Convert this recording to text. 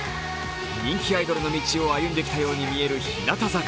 人気アイドルの道を歩んできたように見える日向坂。